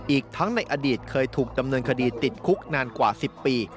อีกทั้งในอดีตเคยถูกดำเนินคดีติดคุกนานกว่า๑๐ปี